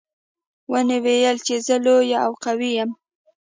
ونې ویل چې زه لویه او قوي یم.